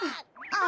あ。